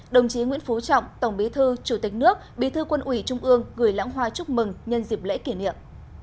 đồng chí nguyễn phú trọng tổng bí thư chủ tịch nước bí thư quân ủy trung ương gửi lãng hoa chúc mừng nhân dịp lễ kỷ niệm